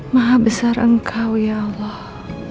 maha besar engkau ya allah